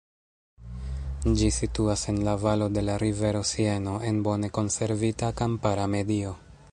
Ĝi situas en la valo de la rivero Sieno en bone konservita kampara medio.